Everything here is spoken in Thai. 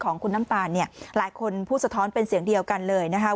ของคุณน้ำตาลเนี่ยหลายคนพูดสะท้อนเป็นเสียงเดียวกันเลยนะคะ